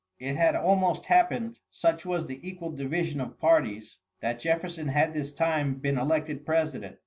It had almost happened, such was the equal division of parties, that Jefferson had this time been elected President.